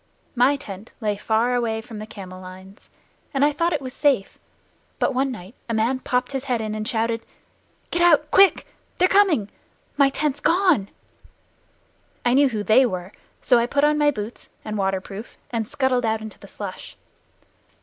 My tent lay far away from the camel lines, and I thought it was safe. But one night a man popped his head in and shouted, "Get out, quick! They're coming! My tent's gone!" I knew who "they" were, so I put on my boots and waterproof and scuttled out into the slush.